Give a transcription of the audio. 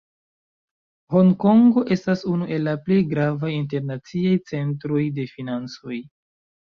Honkongo estas unu el la plej gravaj internaciaj centroj de financoj.